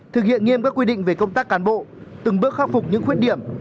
thực hiện nghiêm các quy định về công tác cán bộ từng bước khắc phục những khuyết điểm